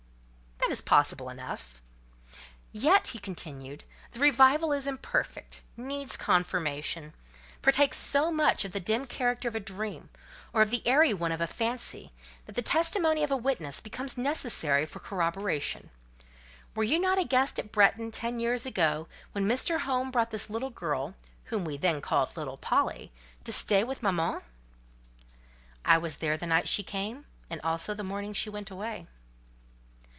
"That is possible enough." "Yet," he continued, "the revival is imperfect—needs confirmation, partakes so much of the dim character of a dream, or of the airy one of a fancy, that the testimony of a witness becomes necessary for corroboration. Were you not a guest at Bretton ten years ago, when Mr. Home brought his little girl, whom we then called 'little Polly,' to stay with mamma?" "I was there the night she came, and also the morning she went away."